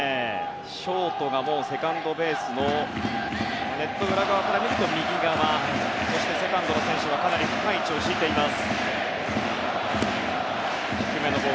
ショートがセカンドベースのネット裏から見ると右側でセカンドの選手はかなり深い位置を敷いています。